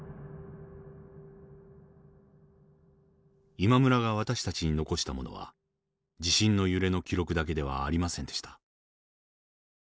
今村が私たちに残したものは地震の揺れの記録だけではありませんでした。